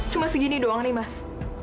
cuma segini doang nih mas